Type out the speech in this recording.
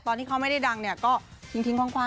ตอนที่เขาไม่ได้ดังเนี่ยก็ทิ้งคว่าง